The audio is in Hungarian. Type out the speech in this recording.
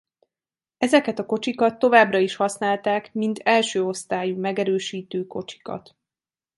Ezeket a kocsikat továbbra is használták mint elsőosztályú megerősítő kocsikat.